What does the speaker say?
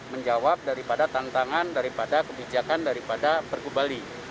menjawab daripada tantangan daripada kebijakan daripada pergubali